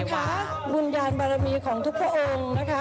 ขออน้ำนะคะบุญญาณบารมีของทุกพ่อองค์นะคะ